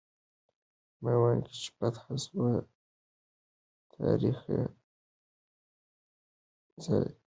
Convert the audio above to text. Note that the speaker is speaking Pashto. میوند چې فتح سو، تاریخي ځای دی.